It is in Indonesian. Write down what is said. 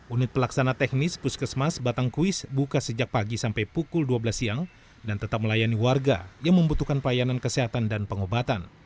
unit pelaksana teknis puskesmas batangkuis buka sejak pagi sampai pukul dua belas siang dan tetap melayani warga yang membutuhkan pelayanan kesehatan dan pengobatan